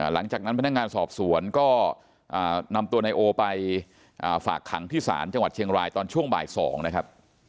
หลังจากนั้นพนักงานสอบสวนก็นำตัวนายโอไปฝากขังที่ศาลจังหวัดเชียงรายตอนช่วงบ่าย๒นะครับ